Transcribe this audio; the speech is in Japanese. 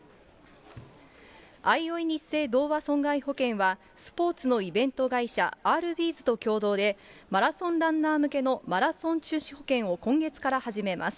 あいおいニッセイ同和損害保険は、スポーツのイベント会社、アールビーズと共同で、マラソンランナー向けのマラソン中止保険を今月から始めます。